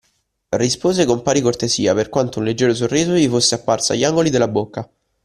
Rispose con pari cortesia, per quanto un leggero sorriso gli fosse apparso agli angoli della bocca.